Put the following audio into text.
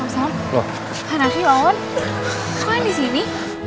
waalaikumsalam pak nafi pak wan kok yang disini